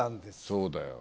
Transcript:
そうだよ。